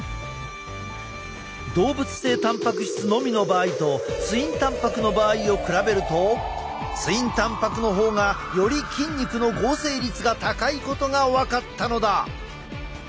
動物性たんぱく質のみの場合とツインたんぱくの場合を比べるとツインたんぱくの方がより筋肉の合成率が高いことが分かったのだ。